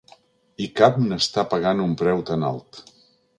I cap n’està pagant un preu tan alt.